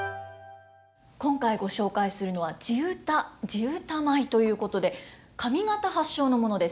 今回ご紹介するのは地唄地唄舞ということで上方発祥のものです。